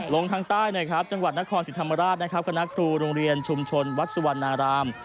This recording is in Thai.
ลงทางใต้จังหวัดนครสิริธรรมราชคณะครูโรงเรียนชุมชนวัดสุวรรณาราม